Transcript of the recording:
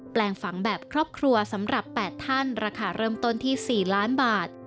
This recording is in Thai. แปลงฝังแบบครอบครัวสำหรับ๘ท่านราคาเริ่มต้นที่๔ล้านบาท